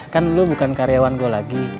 kan lu bukan karyawan gue lagi